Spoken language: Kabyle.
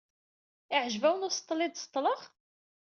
Iɛǧeb-awen useṭṭel i d-seṭṭleɣ?